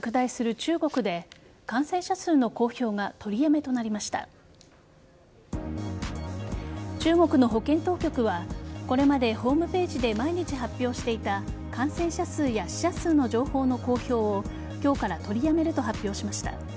中国の保健当局はこれまでホームページで毎日発表していた感染者数や死者数の情報の公表を今日から取りやめると発表しました。